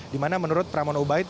dimana menurut pramono ubaid